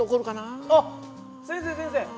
あっ先生先生。